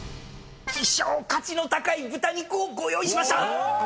希少価値の高い豚肉をご用意しました！